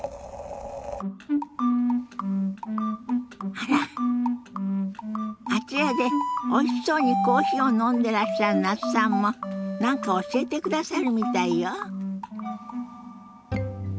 あらあちらでおいしそうにコーヒーを飲んでらっしゃる那須さんも何か教えてくださるみたいよ。